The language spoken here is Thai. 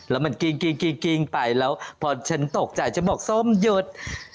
แล้วมันกิ้งไปแล้วพอฉันตกใจฉันบอกส้มหยุด